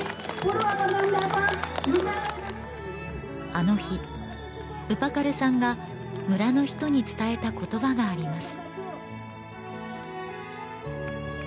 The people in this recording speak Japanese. あの日ウパカルさんが村の人に伝えた言葉があります